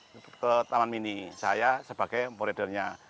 saya ke taman hini sebagai po ridernya